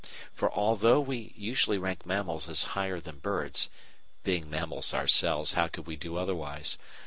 For although we usually rank mammals as higher than birds (being mammals ourselves, how could we do otherwise?)